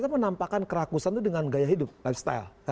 menampakkan kerakusan itu dengan gaya hidup lifestyle